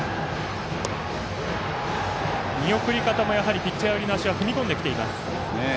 見送り方もピッチャー側の足は踏み込んできています。